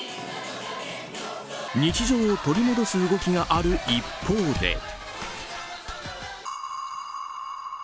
日常を取り戻す動きがある一方で。